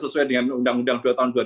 sesuai dengan undang undang dua ribu dua